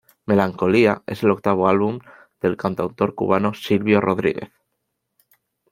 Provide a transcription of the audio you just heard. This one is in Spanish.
Melancolía es el octavo álbum del cantautor cubano Silvio Rodríguez.